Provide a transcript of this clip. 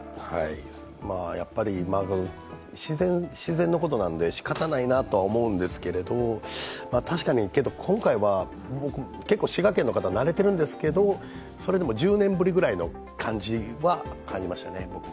やっぱり自然のことなんでしかたないなとは思うんですが確かに今回は、結構滋賀県の方慣れてるんですけどそれでも１０年ぶりぐらいに感じましたね、僕も。